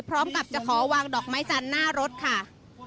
พร้อมกับจะขอวางดอกไม้จันทร์หน้ารถค่ะ